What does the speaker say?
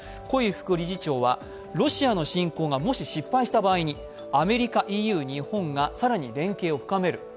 胡偉副理事長はロシアの侵攻がもし失敗した場合にアメリカ、ＥＵ、日本が連携を更に深める。